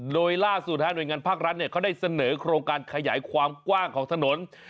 โดยล่าสุดหน่วยงานภาครัฐเขาได้เสนอโครงการขยายความกว้างของถนน